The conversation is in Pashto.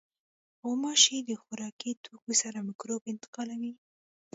غوماشې د خوراکي توکو سره مکروب انتقالوي.